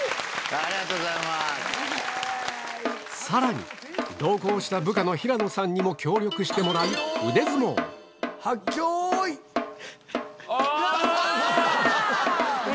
さらに同行した部下の平野さんにも協力してもらいあ！